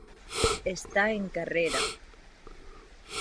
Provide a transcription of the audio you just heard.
Estar en carrera.